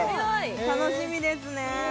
楽しみですね